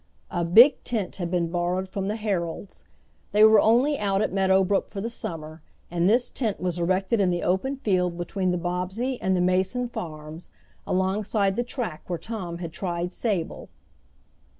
A big tent had been borrowed from the Herolds; they were only out at Meadow Brook for the summer, and this tent was erected in the open field between the Bobbsey and the Mason farms, alongside the track where Tom had tried Sable.